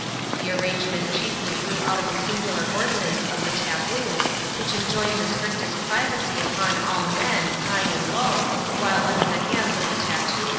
The arrangement f grew out of a singidar ordinance of the Taboo, which led the strictest privacy upon all men, high and low, while the hands of the tattooer.